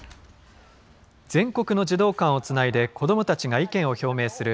全国の児童館をつないで、子どもたちが意見を表明する